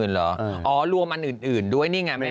๖๐๐๐๐เหรออ๋อรวมอันอื่นด้วยนี่ไงแม่อุ๋ย